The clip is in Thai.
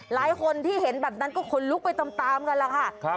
หลายคนที่เห็นแบบนั้นก็ขนลุกไปตามกันล่ะค่ะ